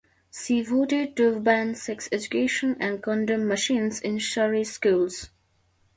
She voted to ban sex education and condom machines in Surrey schools.